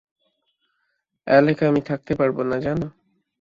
Alec আমি থাকতে পারবোনা, জানো।